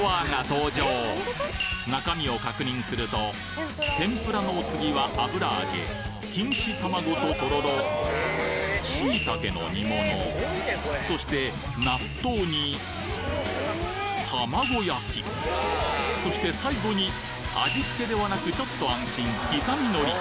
中身を確認すると天ぷらのお次は油揚げ錦糸玉子ととろろ椎茸の煮物そして納豆に玉子焼きそして最後に味付けではなくちょっと安心刻みのり